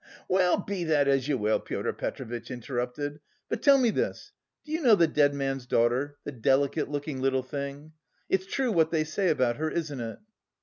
Well, be that as you will," Pyotr Petrovitch interrupted, "but tell me this; do you know the dead man's daughter, the delicate looking little thing? It's true what they say about her, isn't it?"